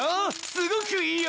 すごくいいよ！